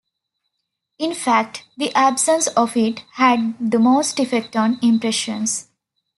In fact the absence of it, had the most effect on impressions.